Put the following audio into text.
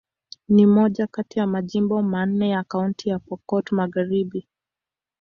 Ni moja kati ya majimbo manne ya Kaunti ya Pokot Magharibi.